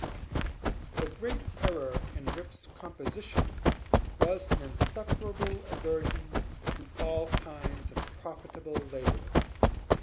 The great error in Rip's composition was an insuperable aversion to all kinds of profitable labor.